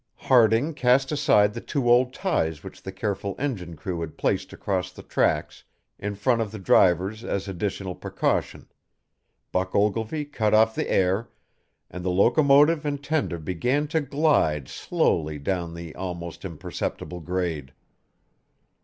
Harding cast aside the two old ties which the careful engine crew had placed across the tracks in front of the drivers as additional precaution; Buck Ogilvy cut off the air, and the locomotive and tender began to glide slowly down the almost imperceptible grade.